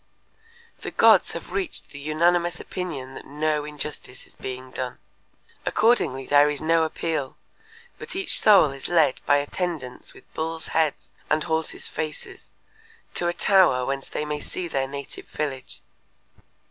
The gods have reached the unanimous opinion that no injustice is being done. Accordingly there is no appeal, but each soul is led by attendants with bulls' heads and horses' faces to a tower whence they may see their native village.